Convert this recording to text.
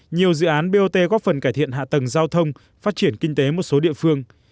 nhiều dự án bot góp phần cải thiện hạ tầng giao thông phát triển kinh tế một số địa phương